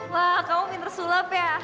wah kamu pinter sulap ya